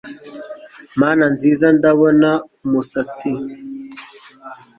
mana nziza, ndabona umusatsi